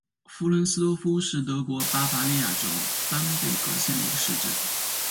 弗伦斯多夫是德国巴伐利亚州班贝格县的一个市镇。